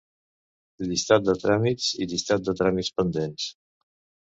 Llistat de tràmits i llistat de tràmits pendents.